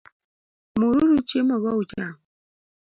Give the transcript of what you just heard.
Mur uru chiemo go ucham